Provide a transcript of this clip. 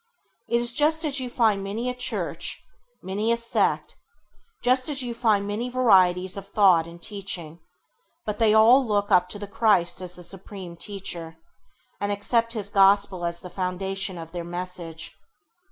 It is just as you find many a Church, many a sect, just as you find many varieties of thought and teaching; but they all look up to the Christ as the supreme Teacher, and accept His gospel as the foundation of their message.